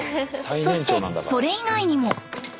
そしてそれ以外にも。